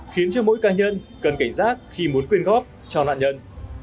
khiến cho mỗi cá nhân cần cảnh giác khi muốn quyên góp cho nạn nhân